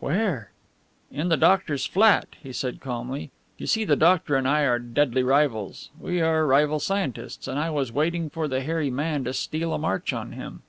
"Where?" "In the doctor's flat," he said calmly, "you see, the doctor and I are deadly rivals. We are rival scientists, and I was waiting for the hairy man to steal a march on him."